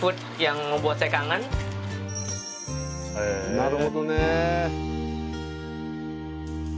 なるほどね。